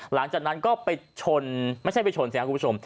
หลังจากนั้นก็ไปชนไม่ใช่ไปชนสิครับคุณผู้ชม